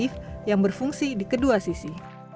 sebuah perusahaan yang berfungsi di kedua sisi